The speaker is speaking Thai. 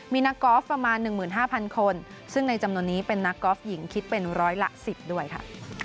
มีนักกอล์ฟประมาณ๑๕๐๐คนซึ่งในจำนวนนี้เป็นนักกอล์ฟหญิงคิดเป็นร้อยละ๑๐ด้วยค่ะ